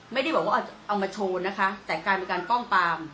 ไม่ได้บอกว่าเอามาโชว์นะคะแต่กลายเป็นการป้องปาม